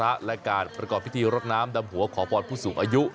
และและการประกอบพิธีรดน้ำดำหัวขอพรผู้สูงอายุ